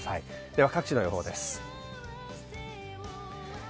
では各地の気温です。